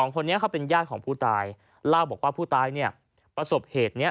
คนนี้เขาเป็นญาติของผู้ตายเล่าบอกว่าผู้ตายเนี่ยประสบเหตุนี้